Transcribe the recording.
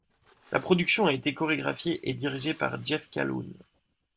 La production a été chorégraphié et dirigé par Jeff Calhoun.